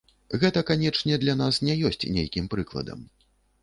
Гэта, канечне, для нас не ёсць нейкім прыкладам.